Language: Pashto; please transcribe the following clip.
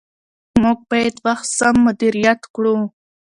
موږ باید وخت سم مدیریت کړو